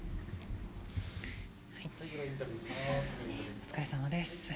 お疲れさまです。